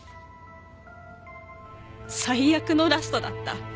最悪のラストだった。